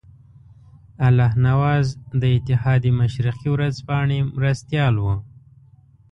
الله نواز د اتحاد مشرقي ورځپاڼې مرستیال وو.